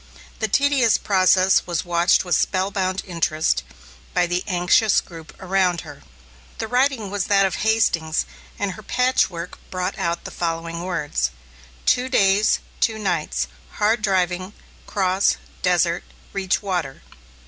The tedious process was watched with spell bound interest by the anxious group around her. The writing was that of Hastings, and her patchwork brought out the following words: "2 days 2 nights hard driving cross desert reach water."